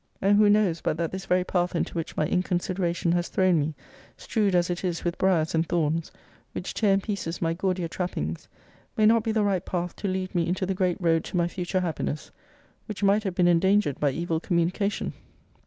And who knows but that this very path into which my inconsideration has thrown me, strewed as it is with briers and thorns, which tear in pieces my gaudier trappings, may not be the right path to lead me into the great road to my future happiness; which might have been endangered by evil communication?